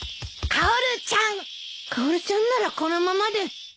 カオルちゃんならこのままで。